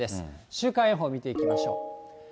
週間予報見ていきましょう。